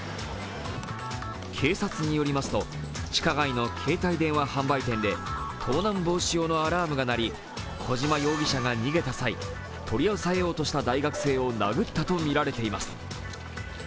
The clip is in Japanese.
警察によりますと、地下街の携帯電話販売店で盗難防止用のアラームが鳴り小島容疑者が逃げた際取り押さえようとした大学生を殴ったとみられています。